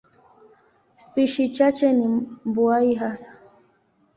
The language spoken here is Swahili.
Spishi chache ni mbuai hasa.